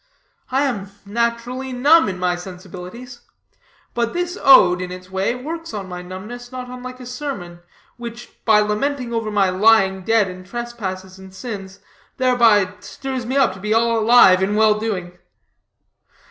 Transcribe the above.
I am naturally numb in my sensibilities; but this ode, in its way, works on my numbness not unlike a sermon, which, by lamenting over my lying dead in trespasses and sins, thereby stirs me up to be all alive in well doing."